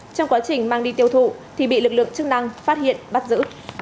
trong quá trình mang đi tiêu thụ thì bị lực lượng chức năng phát hiện bắt giữ